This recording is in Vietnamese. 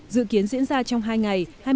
dự kiến diễn ra trong hai ngày